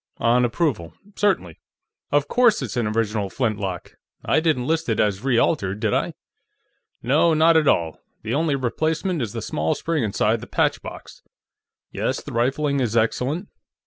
On approval; certainly.... Of course it's an original flintlock; I didn't list it as re altered, did I?... No, not at all; the only replacement is the small spring inside the patchbox.... Yes, the rifling is excellent....